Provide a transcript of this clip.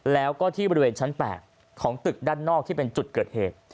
แล้วก็ที่บริเวณชั้น๘ของตึกด้านนอกที่เป็นจุดเกิดเหตุ